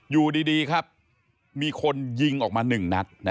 อยู่ดีครับมีคนยิงออกมา๑นัด